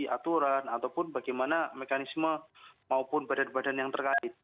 aturan ataupun bagaimana mekanisme maupun badan badan yang terkait